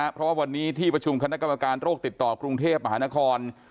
เพราะว่าวันนี้ที่ประชุมคณะกรรมการโรคติดต่อกรุงเทพมหานคร